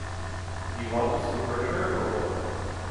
Do you want to submerge her or what?